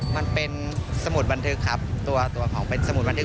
มันเป็นสมุดบันทึกครับตัวของเป็นสมุดบันทึก